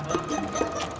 masa ini pak saum